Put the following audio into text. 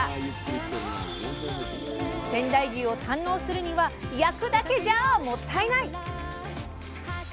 仙台牛を堪能するには焼くだけじゃもったいない！